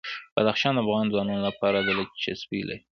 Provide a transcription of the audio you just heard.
بدخشان د افغان ځوانانو لپاره دلچسپي لري.